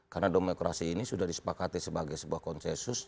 karena demokrasi ini sudah disepakati sebagai sebuah konsensus